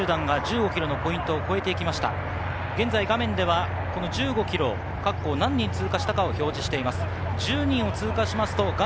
現在、画面では１５ｋｍ、各校何人が通過したかを表示しています。